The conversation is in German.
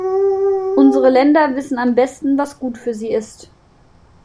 Unsere Länder wissen am besten, was gut für sie ist.